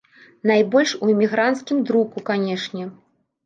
Найбольш у эмігранцкім друку, канечне.